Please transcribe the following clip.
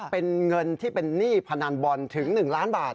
เป็นเงินที่เป็นหนี้พนันบอลถึง๑ล้านบาท